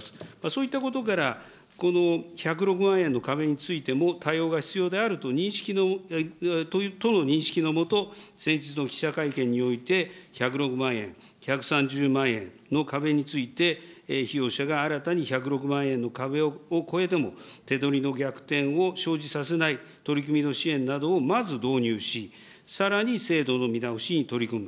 そういったことからこの１０６万円の壁についても、対応が必要であるとの認識のもと、先日の記者会見において、１０６万円、１３０万円の壁について、被用者が新たに１０６万円の壁を超えても、手取りの逆転を生じさせない取り組みの支援などをまず導入し、さらに制度の見直しに取り組む。